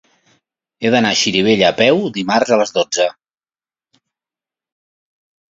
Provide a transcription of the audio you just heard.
He d'anar a Xirivella a peu dimarts a les dotze.